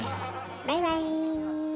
バイバイ。